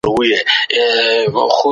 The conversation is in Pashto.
فابریکې څنګه د محصولاتو کیفیت ساتي؟